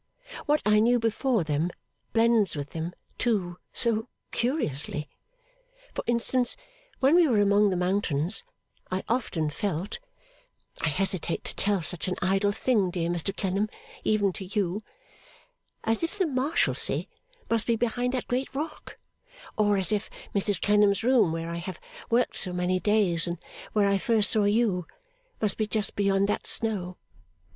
What I knew before them, blends with them, too, so curiously. For instance, when we were among the mountains, I often felt (I hesitate to tell such an idle thing, dear Mr Clennam, even to you) as if the Marshalsea must be behind that great rock; or as if Mrs Clennam's room where I have worked so many days, and where I first saw you, must be just beyond that snow.